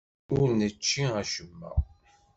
Ur nečči acemma.